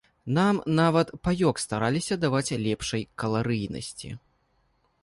Нам нават паёк стараліся даваць лепшай каларыйнасці.